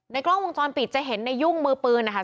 กล้องวงจรปิดจะเห็นในยุ่งมือปืนนะคะ